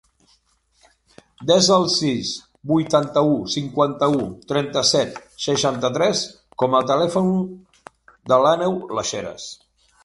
Desa el sis, vuitanta-u, cinquanta-u, trenta-set, seixanta-tres com a telèfon de l'Àneu Lasheras.